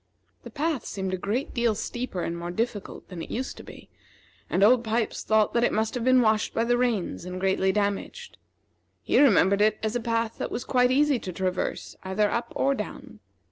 The path seemed a great deal steeper and more difficult than it used to be; and Old Pipes thought that it must have been washed by the rains and greatly damaged. He remembered it as a path that was quite easy to traverse either up or down.